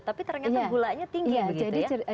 tapi ternyata gulanya tinggi begitu ya